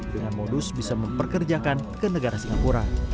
dengan modus bisa memperkerjakan ke negara singapura